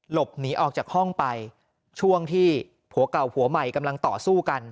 หลบหนีออกจากห้องไปช่วงที่ผัวเก่าผัวใหม่กำลังต่อสู้กัน